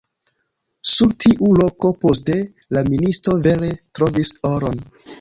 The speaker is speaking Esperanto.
Sur tiu loko poste la ministo vere trovis oron.